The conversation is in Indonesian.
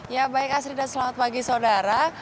ya baik asri dan selamat pagi saudara